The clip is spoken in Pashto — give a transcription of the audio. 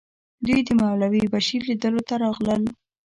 دوی د مولوي بشیر لیدلو ته راغلل.